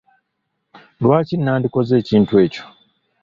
Lwaki nandikoze ekintu ekyo ?